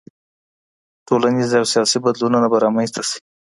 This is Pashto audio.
ټولنيز او سياسي بدلونونه به رامنځته سي.